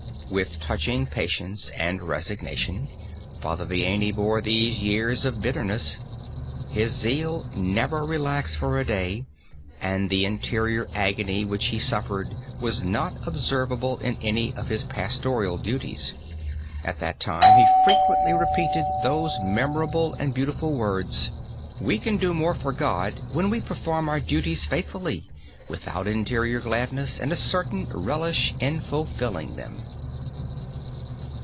With touching patience and resignation Father Vianney bore those years of bitterness. His zeal never relaxed for a day, and the interior agony which he suffered was not observable in any of his pastoral duties. At that time he frequently repeated those memorable and beautiful words: "We can do more for God when we perform our duties faithfully, without interior gladness and a certain relish in fulfilling them."